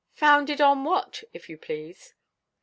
"Founded on what, if you please?"